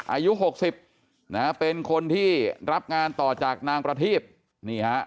อายุหกสิบนะฮะเป็นคนที่รับงานต่อจากนางประทีบนี่ฮะ